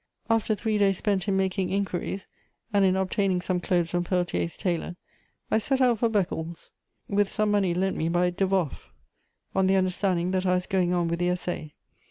After three days spent in making inquiries and in obtaining some clothes from Peltier's tailor, I set out for Beccles with some money lent me by Deboffe, on the understanding that I was going on with the _Essai.